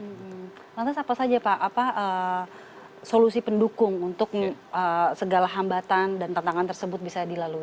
lantas apa saja pak solusi pendukung untuk segala hambatan dan tantangan tersebut bisa dilalui